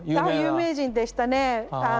あ有名人でしたね。